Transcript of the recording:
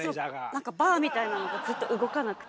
何かバーみたいなのがずっと動かなくて。